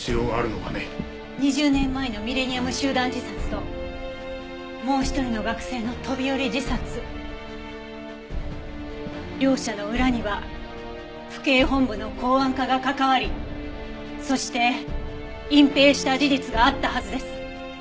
２０年前のミレニアム集団自殺ともう一人の学生の飛び降り自殺両者の裏には府警本部の公安課が関わりそして隠蔽した事実があったはずです。